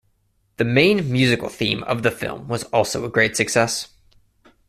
The main musical theme of the film was also a great success.